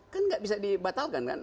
kan nggak bisa dibatalkan kan